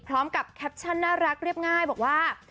พร้อมกับแคปชั่นน่ารักเรียบง่ายบอกว่า